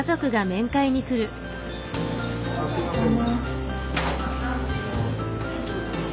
あっすいません。